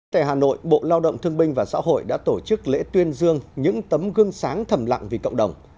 tại hà nội bộ lao động thương binh và xã hội đã tổ chức lễ tuyên dương những tấm gương sáng thầm lặng vì cộng đồng